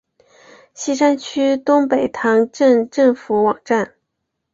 锡山区东北塘镇政府网站